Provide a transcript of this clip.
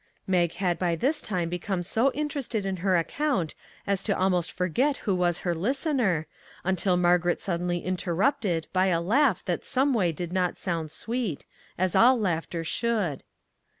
'" Mag had by this time become so interested in her account as to almost forget who was her listener, until Margaret suddenly interrupted by a laugh that some way did not sound sweet, as all laughter should.